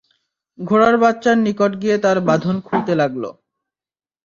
ঘোড়ার বাচ্চার নিকট গিয়ে তার বাঁধন খুলতে লাগল।